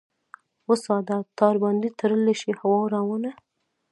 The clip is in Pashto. وساده ! تار باندې تړلی شي هوا روانه ؟